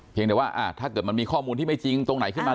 แต่ว่าถ้าเกิดมันมีข้อมูลที่ไม่จริงตรงไหนขึ้นมา